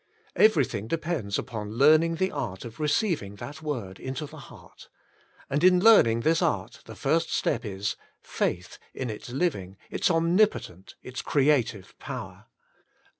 Everything depends upon learning the art of receiving that word into the heart. And in learning this art the first step is — Faith in Its Living, Its Omnipotent, Its Creative Power.